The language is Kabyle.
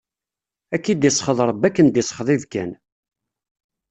Ad k-id-isxeḍ Ṛebbi akken d-isxeḍ ibkan!